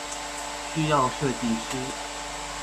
需要設計師